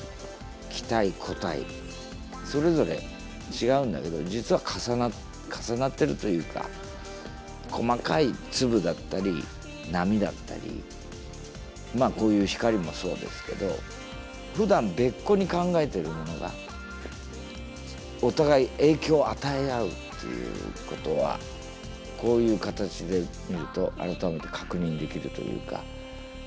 気体固体それぞれ違うんだけど実は重なって重なってるというか細かい粒だったり波だったりこういう光もそうですけどふだん別個に考えているものがお互い影響を与え合うっていうことはこういう形で見ると改めて確認できるというか。